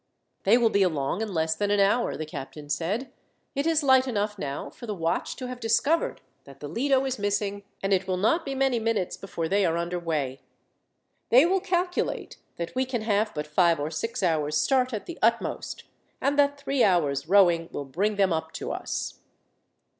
"They will be along in less than an hour," the captain said. "It is light enough now for the watch to have discovered that the Lido is missing, and it will not be many minutes before they are under way. They will calculate that we can have but five or six hours' start at the utmost, and that three hours' rowing will bring them up to us."